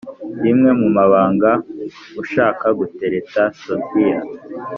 rimwe mu mabanga ushaka gutereta sofia